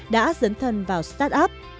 đã dấn thân vào start up